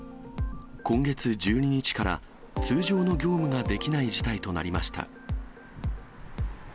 今月１２日から、通常の業務ができない事態となりました。